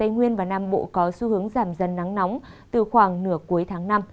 tây nguyên và nam bộ có xu hướng giảm dần nắng nóng từ khoảng nửa cuối tháng năm